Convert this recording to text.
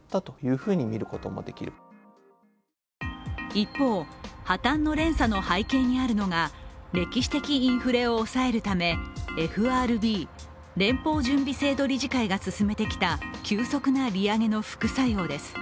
一方、破綻の連鎖の背景にあるのが歴史的インフレを抑えるためＦＲＢ＝連邦準備制度理事会が進めてきた急速な利上げの副作用です。